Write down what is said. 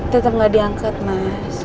tetep gak diangkat mas